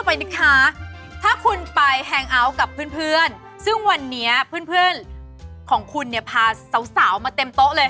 ข้อต่อไปนะคะถ้าคุณไปแฮงอัลกับเพื่อนซึ่งวันนี้เพื่อนของคุณเนี่ยพาสาวมาเต็มโต๊ะเลย